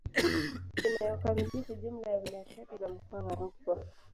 Inayokamilisha jumla ya wilaya tatu za mkoa wa Rukwa